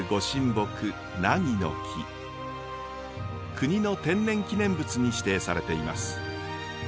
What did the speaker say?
国の天然記念物に指定されています。